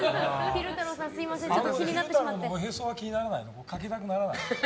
昼太郎のおへそは気にならない？